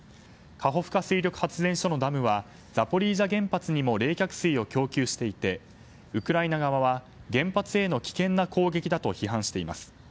水力発電所のダムはザポリージャ原発にも冷却水を供給していてウクライナ側は、原発への危険な攻撃だと批判しています。